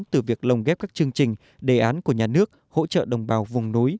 từ việc lồng ghép các chương trình đề án của nhà nước hỗ trợ đồng bào vùng núi